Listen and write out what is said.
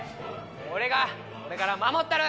俺がこれから守ったる。